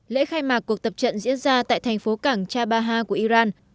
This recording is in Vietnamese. lễ khai mạc cuộc tập trận diễn ra tại thành phố cảng chabaha của iran